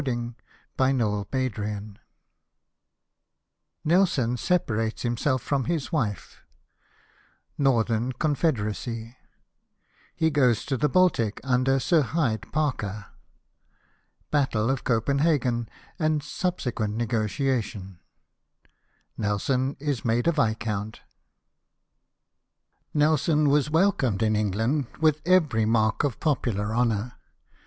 2 212 CHAPTER YIL Nelson separates himself from his wife— Northern Confederacy — He goes to the Baltic, under Sir Hyde Parker — Battle of Copenhagen, and subsequent Negotiation — Nelson is made a Viscount. Nelson was welcomed in England with eYeij mark ot popular honour.